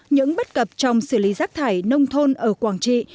những bất cập trong xử lý rác thải nông thôn ở quảng trị